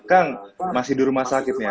kang masih di rumah sakit ya